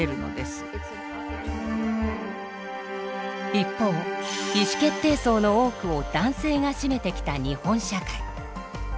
一方意思決定層の多くを男性が占めてきた日本社会。